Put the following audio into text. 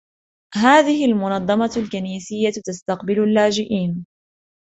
هذه المنظمة الكنيسية تستقبل اللاجئين.